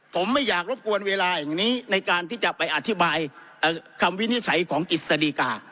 ผมไม่อยากรบกวนเวลาอย่างนี้ในการที่จะไปอธิบายคำวินิจฉัยของกิจสดีกา